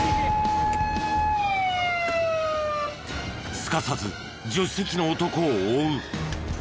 すかさず助手席の男を追う。